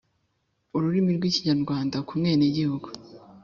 Ururimi rw’ikinyarwanda ku mwenegihugu